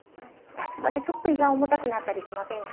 夏場ってちょっと胃が重たくなったりしませんか？